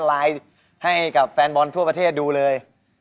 ไลน์ให้กับแฟนบอลทั่วประเทศดูเลย